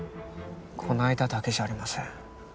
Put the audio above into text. この間だけじゃありません。